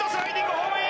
ホームイン！